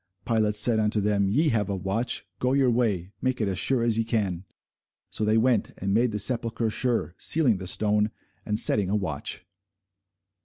Pilate said unto them, Ye have a watch: go your way, make it as sure as ye can. So they went, and made the sepulchre sure, sealing the stone, and setting a watch.